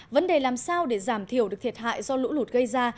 vấn đề làm sao để giảm thiểu được thiệt hại do lũ lụt gây ra